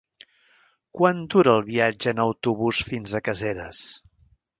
Quant dura el viatge en autobús fins a Caseres?